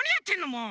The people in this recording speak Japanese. もう！